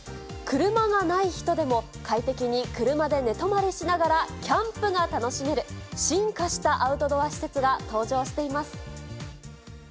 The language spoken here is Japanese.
車がない人でも、快適に車で寝泊まりしながらキャンプが楽しめる、進化したアウトドア施設が登場しています。